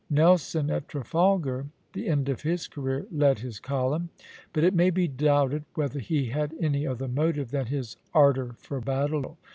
Nelson at Trafalgar, the end of his career, led his column; but it may be doubted whether he had any other motive than his ardor for battle.